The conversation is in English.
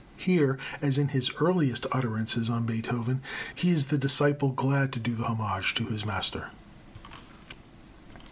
Here, as in his earliest utterances on Beethoven, he is the disciple glad to do homage to his master.